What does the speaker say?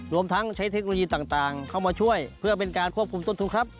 รวมทั้งใช้เทคโนโลยีต่างเข้ามาช่วยเพื่อเป็นการควบคุมต้นทุนครับ